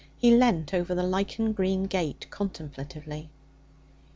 He leant over the lichen green gate contemplatively.